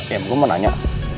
ya gue mau nanya